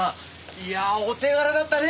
いやあお手柄だったね！